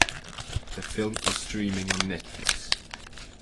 The film is streaming on Netflix.